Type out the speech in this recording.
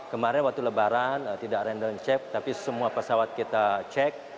kemarin waktu lebaran tidak random chef tapi semua pesawat kita cek